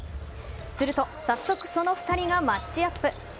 すると早速その２人がマッチアップ。